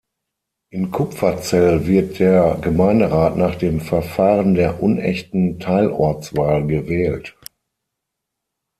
In Kupferzell wird der Gemeinderat nach dem Verfahren der unechten Teilortswahl gewählt.